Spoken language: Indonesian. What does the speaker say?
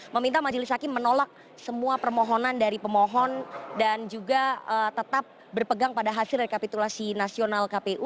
meminta majelis hakim menolak semua permohonan dari pemohon dan juga tetap berpegang pada hasil rekapitulasi nasional kpu